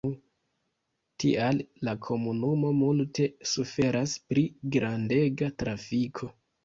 Tial la komunumo multe suferas pri grandega trafiko.